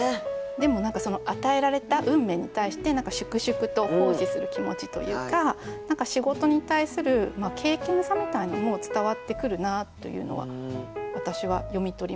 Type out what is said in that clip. でも何かその与えられた運命に対して粛々と奉仕する気持ちというか仕事に対する敬けんさみたいのも伝わってくるなというのは私は読み取りました。